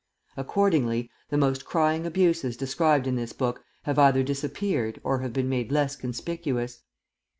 Accordingly, the most crying abuses described in this book have either disappeared or have been made less conspicuous.